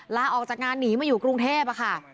ลาออกจากงานหนีมาอยู่กรุงเทพค่ะ